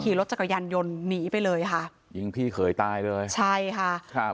ขี่รถจักรยานยนต์หนีไปเลยค่ะยิงพี่เขยตายเลยใช่ค่ะครับ